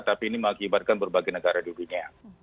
tapi ini mengakibatkan berbagai negara dulunya